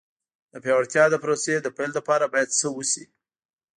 د پیاوړتیا د پروسې د پیل لپاره باید څه وشي.